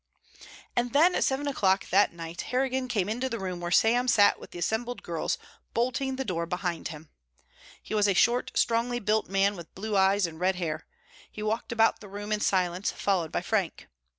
And then at seven o'clock that night Harrigan came into the room where Sam sat with the assembled girls, bolting the door behind him. He was a short, strongly built man with blue eyes and red hair. He walked about the room in silence, followed by Frank.